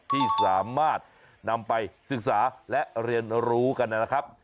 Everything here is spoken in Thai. ที่สามารถนำไปศึกษาและเรียนรู้กันนะครับ